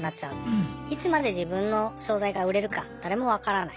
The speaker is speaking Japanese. いつまで自分の商材が売れるか誰も分からない。